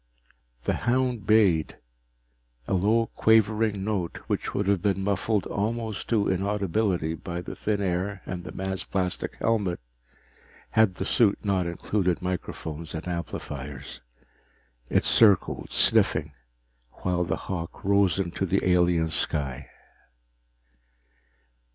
The hound bayed, a low quavering note which would have been muffled almost to inaudibility by the thin air and the man's plastic helmet had the suit not included microphones and amplifiers. It circled, sniffing, while the hawk rose into the alien sky.